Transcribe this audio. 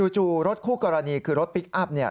จู่รถคู่กรณีคือรถพลิกอัพ